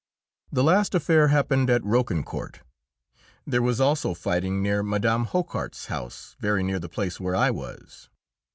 The last affair happened at Roquencourt. There was also fighting near Mme. Hocquart's house, very near the place where I was.